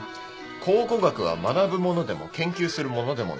「考古学は学ぶものでも研究するものでもない」